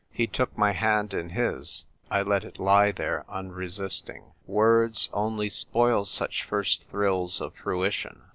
He took my hand in his. I let it lie there, unresisting. Words only spoil such first thrills of frui tion.